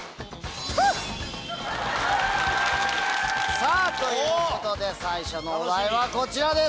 さぁということで最初のお題はこちらです。